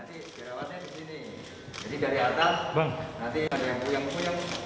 jadi dari atas nanti ada yang kuyang kuyang